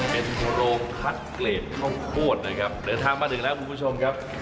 เป็นโรงคัดเกรดข้าวโพดนะครับเดินทางมาถึงแล้วคุณผู้ชมครับ